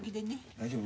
大丈夫？